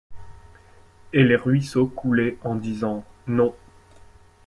Et les ruisseaux coulaient en disant: Non.